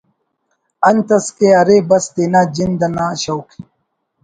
انت اس کہ ارے بس تینا جند انا شوق